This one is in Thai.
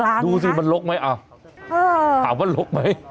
มันเป็นพื้นที่ส่วนกลางนะครับดูสิมันโลกไหมอ่าเออถามว่ามันโลกไหม